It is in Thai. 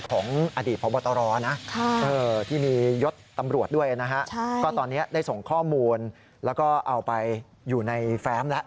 ก็ตอนนี้ได้ส่งข้อมูลแล้วก็เอาไปอยู่ในแฟมละ